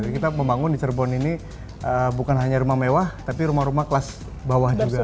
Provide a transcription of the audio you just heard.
kita membangun di cirebon ini bukan hanya rumah mewah tapi rumah rumah kelas bawah juga